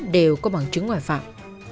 đều có bằng chứng ngoại phạm